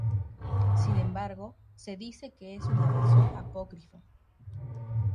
Sin embargo, se dice que es una versión apócrifa.